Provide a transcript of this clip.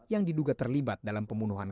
yang diduga terlibat dalam pembunuhan